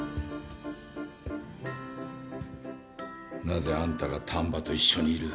なぜあんたが丹波と一緒にいる？